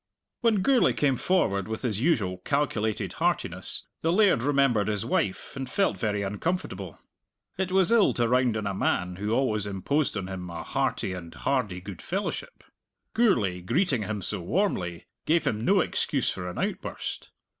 When Gourlay came forward with his usual calculated heartiness, the laird remembered his wife and felt very uncomfortable. It was ill to round on a man who always imposed on him a hearty and hardy good fellowship. Gourlay, greeting him so warmly, gave him no excuse for an outburst.